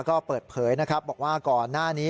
ก็เปิดเผยนะครับบอกว่าก่อนหน้านี้